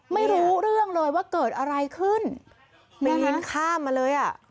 ไม่รู้เรื่องเลยว่าเกิดอะไรขึ้นไม่เห็นข้ามมาเลยอ่ะ